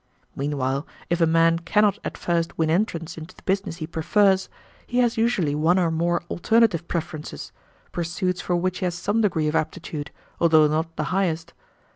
Meanwhile, if a man cannot at first win entrance into the business he prefers, he has usually one or more alternative preferences, pursuits for which he has some degree of aptitude, although not the highest.